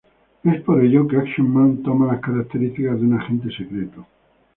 Es por ello que Action Man toma las características de un agente secreto.